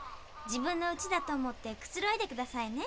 自分のうちだと思ってくつろいで下さいね。